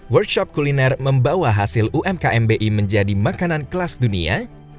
workshop kuliner membawa hasil umkm bi menjadi makanan kelas dunia